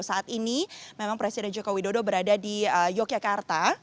saat ini memang presiden joko widodo berada di yogyakarta